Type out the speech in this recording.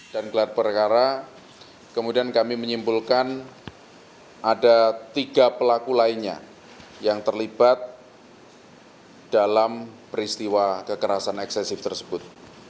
dan kelar perkara kemudian kami menyimpulkan ada tiga pelaku lainnya yang terlibat dalam peristiwa kekerasan eksesif tersebut